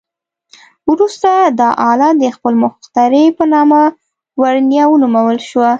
وروسته دا آله د خپل مخترع په نامه ورنیه ونومول شوه.